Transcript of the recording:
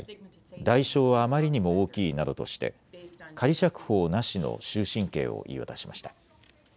代償はあまりにも大きいなどとして、仮釈放なしの終身刑を言い渡しました。